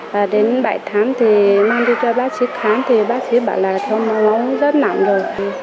và đến bảy tháng thì mang đi cho bác sĩ khám thì bác sĩ bảo là nó ngóng rất nặng rồi